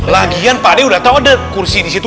lagian pak d udah tahu ada kursi di situ